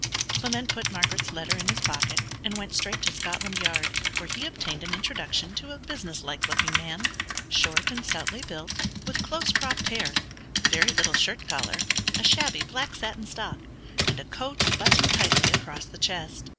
Clement put Margaret's letter in his pocket, and went straight to Scotland Yard, where he obtained an introduction to a businesslike looking man, short and stoutly built, with close cropped hair, very little shirt collar, a shabby black satin stock, and a coat buttoned tightly across the chest.